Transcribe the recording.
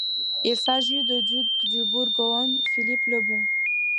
Il s’agit du duc de Bourgogne, Philippe le Bon.